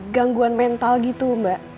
gangguan mental gitu mbak